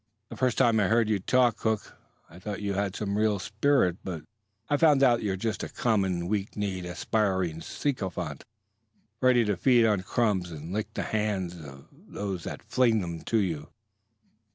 The first time I heard you talk, Hook, I thought you had some real spirit; but I've found out that you're just a common weak kneed, aspiring sycophant, ready to feed on crumbs and lick the hand that flings them to you."